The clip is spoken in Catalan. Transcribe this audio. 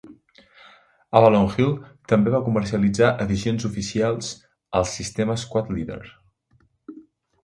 Avalon Hill també va comercialitzar addicions "oficials" al sistema Squad Leader.